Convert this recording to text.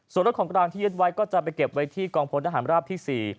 ส่วนรถของกลางที่ยึดไว้ก็จะไปเก็บไว้ที่กองพลทหารราบที่๔